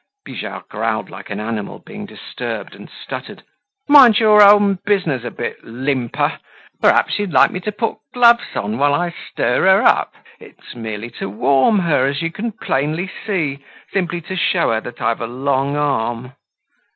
Bijard growled like an animal being disturbed, and stuttered: "Mind your own business a bit, Limper. Perhaps you'd like me to put gloves on when I stir her up. It's merely to warm her, as you can plainly see—simply to show her that I've a long arm."